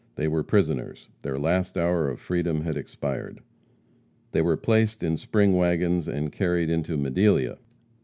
They were prisoners; their last hour of freedom had expired. They were placed in spring wagons and carried into Madelia.